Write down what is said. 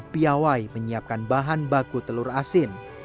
piawai menyiapkan bahan baku telur asin